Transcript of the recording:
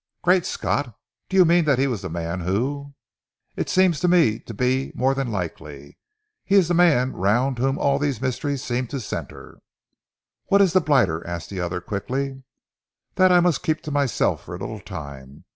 "Great Scott! Do you mean that he was the man who " "It seems to me to be more than likely. He is the man round whom all these mysteries seem to centre." "What is the blighter?" asked the other quickly. "That I must keep to myself for a little time.